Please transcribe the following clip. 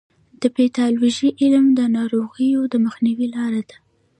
د پیتالوژي علم د ناروغیو د مخنیوي لاره ده.